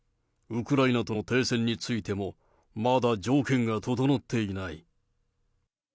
ウクライナとの停戦についても、まだ条件が整っていない。